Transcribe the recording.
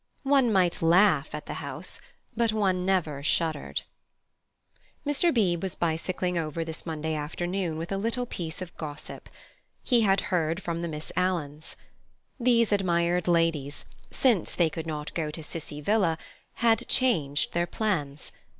One might laugh at the house, but one never shuddered. Mr. Beebe was bicycling over this Monday afternoon with a piece of gossip. He had heard from the Miss Alans. These admirable ladies, since they could not go to Cissie Villa, had changed their plans.